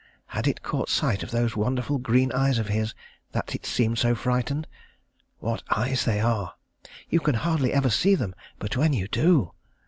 Had it caught sight of those wonderful green eyes of his, that it seemed so frightened? What eyes they are! You can hardly ever see them; but when you do!